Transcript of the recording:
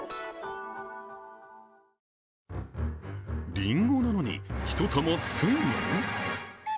りんごなのに、１玉１０００円！？